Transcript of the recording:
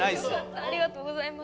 ありがとうございます。